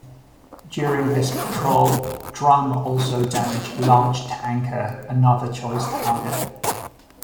During this patrol, "Drum" also damaged a large tanker, another choice target.